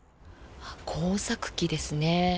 耕作機ですね。